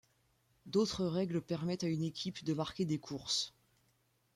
D'autres règles permettent à une équipe de marquer des courses.